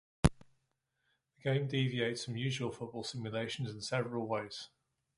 The game deviates from usual football simulations in several ways.